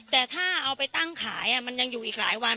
แต่ถ้าเอาไปตั้งขายมันยังอยู่อีกหลายวัน